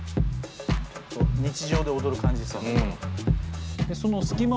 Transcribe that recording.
日常で踊る感じ。